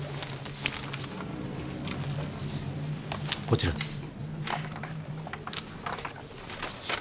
こちらです。